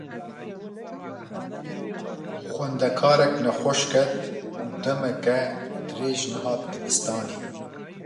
Xwendekarek nexweş ket û demeke dirêj nehat dibistanê.